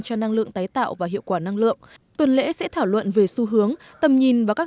cho năng lượng tái tạo và hiệu quả năng lượng tuần lễ sẽ thảo luận về xu hướng tầm nhìn và các